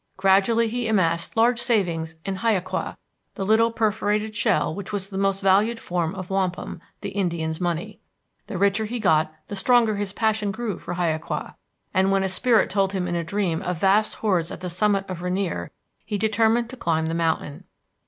Gradually he amassed large savings in hiaqua, the little perforated shell which was the most valued form of wampum, the Indian's money. The richer he got the stronger his passion grew for hiaqua, and, when a spirit told him in a dream of vast hoards at the summit of Rainier, he determined to climb the mountain.